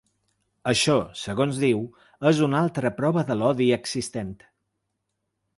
Això, segons diu, és ‘una altra prova de l’odi existent’.